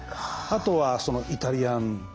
あとはイタリアンね